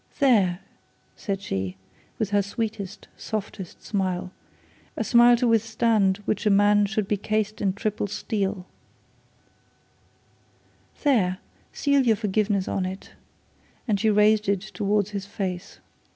'There,' said she, with her sweetest, softest smile a smile to withstand which a man should be cased in triple steel, 'there; seal your forgiveness on it,' and she raised it towards his face.